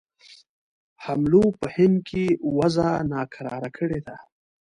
حملو په هند کې وضع ناکراره کړې ده.